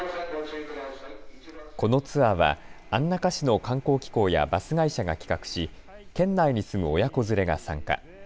このツアーは安中市の観光機構やバス会社が企画し県内に住む親子連れが参加。